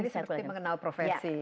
jadi seperti mengenal profesi ya